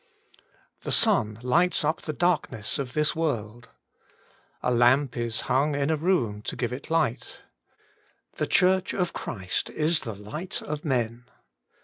The sun lights up the dark ness of this world. A lamp is hung in a room to give it light. The Church of Christ is the light of men.